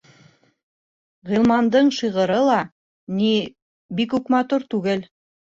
Ғилмандың шиғыры ла, ни, бик үк матур түгел.